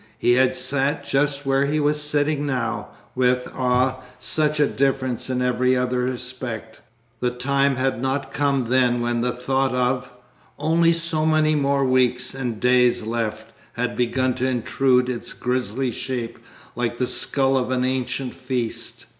He had sat just where he was sitting now, with, ah, such a difference in every other respect the time had not come then when the thought of "only so many more weeks and days left" had begun to intrude its grisly shape, like the skull at an ancient feast.